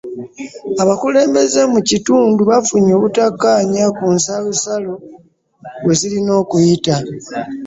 Abakulembeze mu kitundu bafunye obutakkaanya ku nsalosalo wezirina okuyita